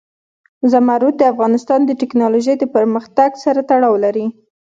زمرد د افغانستان د تکنالوژۍ پرمختګ سره تړاو لري.